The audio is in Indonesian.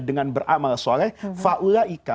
dengan beramal shalih